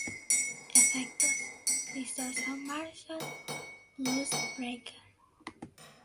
Efectos: Distorsión Marshall Blues Breaker.